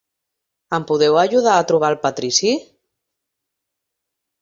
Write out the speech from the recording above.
Em podeu ajudar a trobar el patrici?